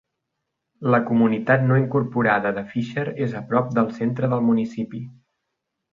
La comunitat no incorporada de Fisher és a prop del centre del municipi.